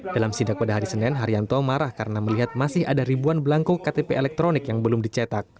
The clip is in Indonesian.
dalam sidak pada hari senin haryanto marah karena melihat masih ada ribuan belangko ktp elektronik yang belum dicetak